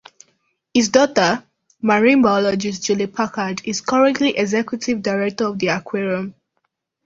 His daughter, marine biologist Julie Packard, is currently Executive Director of the aquarium.